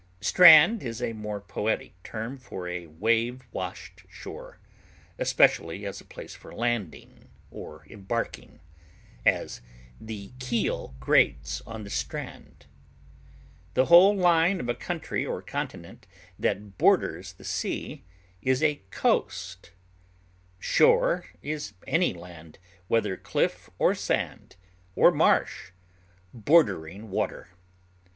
Strand is a more poetic term for a wave washed shore, especially as a place for landing or embarking; as, the keel grates on the strand. The whole line of a country or continent that borders the sea is a coast. Shore is any land, whether cliff, or sand, or marsh, bordering water.